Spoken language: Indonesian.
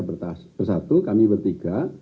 bersatu kami bertiga